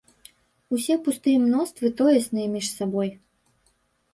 Усе пустыя мноствы тоесныя між сабой.